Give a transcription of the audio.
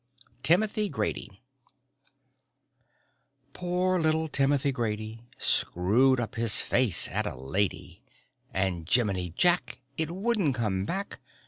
TIMOTHY GRADY Poor little Timothy Grady Screwed up his face at a lady, And, jiminy jack! It wouldn't come back.